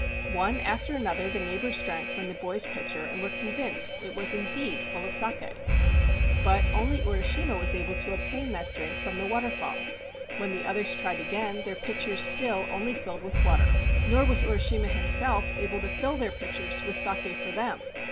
One after another the neighbors drank from the boy's pitcher and were convinced it was indeed full of saki. But only Urishima was able to obtain that drink from the waterfall. When the others tried again, their pitchers still only filled with water. Nor was Urishima himself able to fill their pitchers with saki for them.